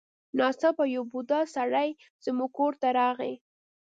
ناڅاپه یو بوډا سړی زموږ کور ته راغی.